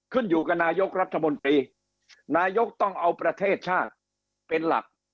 ขึ้นอยู่กับนายกรัฐมนตรีนายกต้องเอาประเทศชาติเป็นหลัก